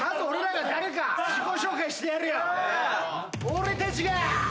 俺たちが。